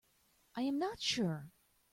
I am not sure.